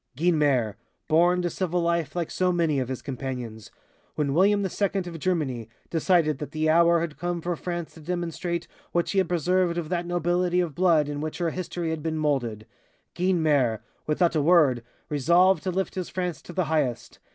"Guynemer, born to civil life like so many of his companions, when William II of Germany decided that the hour had come for France to demonstrate what she had preserved of that nobility of blood in which her history had been moulded Guynemer, without a word, resolved to lift his France to the highest!